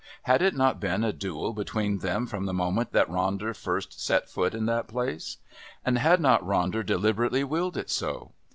Had it not been a duel between them from the moment that Ronder first set his foot in that place? And had not Ronder deliberately willed it so?